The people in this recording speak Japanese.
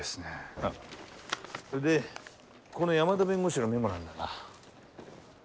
あっそれでこの山田弁護士のメモなんだが。